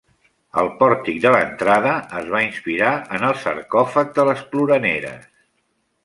El pòrtic de l'entrada es va inspirar en el sarcòfag de les Ploraneres.